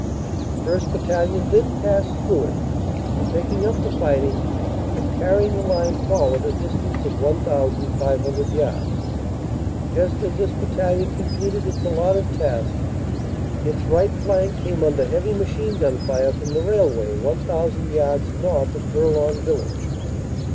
The 1st. Battalion then passed through it, taking up the fighting and carrying the line forward a dis tance of 1,500 yards. Just as this Battalion completed its allotted task, its right flank came under heavy machine gun fire from the railway 1,000 yards north of Bourlon village.